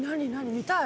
見たい。